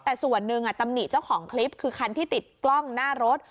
แต่ส่วนหนึ่งตำหนิเจ้าของคลิปคือคันที่ติดกล้องหน้ารถ